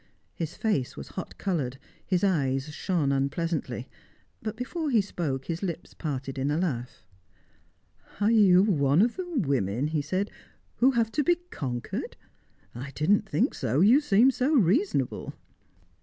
His face was hot coloured, his eyes shone unpleasantly; but before he spoke, his lips parted in a laugh. "Are you one of the women," he said, "who have to be conquered? I didn't think so. You seemed so reasonable."